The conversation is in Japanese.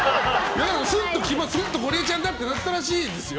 すっと、ゴリエちゃんだってなったらしいですよ。